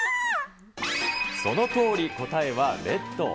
そのとおり、答えはｒｅｄ。